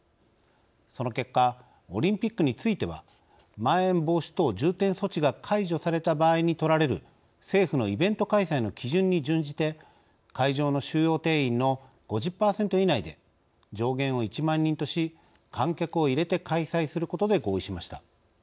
その結果オリンピックについてはまん延防止等重点措置が解除された場合に取られる政府のイベント開催の基準に準じて会場の収容定員の５０％以内で上限を１万人とし観客を入れて開催することで合意しました。